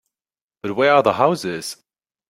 But where are the houses?